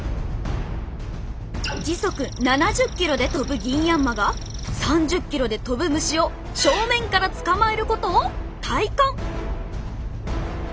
時速７０ｋｍで飛ぶギンヤンマが３０ｋｍで飛ぶ虫を正面からつかまえることを体感！